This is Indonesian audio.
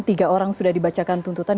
tiga orang sudah dibacakan tuntutan